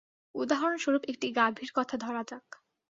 উদাহরণস্বরূপ একটি গাভীর কথা ধরা যাক।